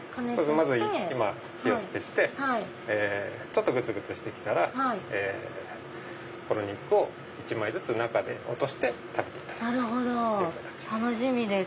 まず今火お付けしてちょっとグツグツして来たらこの肉を１枚ずつ中落として食べていただくという形です。